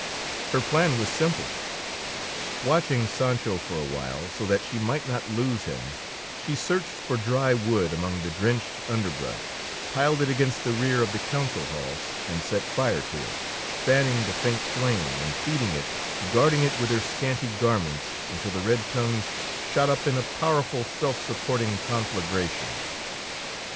Her plan was simple. Watching Sancho for a while, so that she might not lose him, she searched for dry wood among the drenched underbrush, piled it against the rear of the council hall, and set fire to it, fanning the faint flame and feeding it, guarding it with her scanty garments, until the red tongues shot up in a powerful, self supporting conflagration.